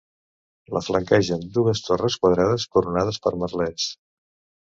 La flanquegen dues torres quadrades coronades per merlets.